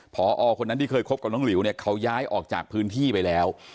พอคนนั้นที่เคยคบกับน้องหลิวเนี่ยเขาย้ายออกจากพื้นที่ไปแล้ว